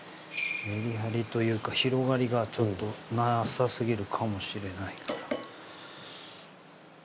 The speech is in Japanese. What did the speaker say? メリハリというか広がりがちょっとなさすぎるかもしれない。